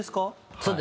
そうです。